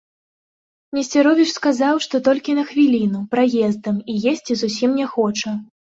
Несцяровіч сказаў, што толькі на хвіліну, праездам і есці зусім не хоча.